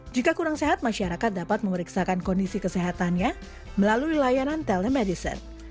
jika kurang sehat masyarakat dapat memeriksakan kondisi kesehatannya melalui layanan telemedicine